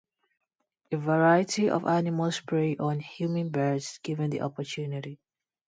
A variety of animals prey on hummingbirds given the opportunity.